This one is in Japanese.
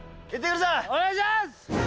お願いします！